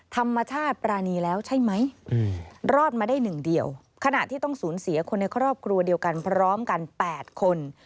ธรรมชาติปรานีแล้วใช่ไหมรอดมาได้หนึ่งเดียวขณะที่ต้องสูญเสียคนในครอบครัวเดียวกันพร้อมกัน๘คน